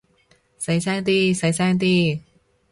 細聲啲，細聲啲